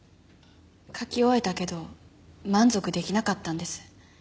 描き終えたけど満足出来なかったんです。